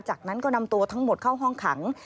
จากนั้นก็นำตัวทั้งหมดเข้าห้องขัง